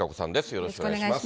よろしくお願いします。